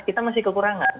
kita masih kekurangan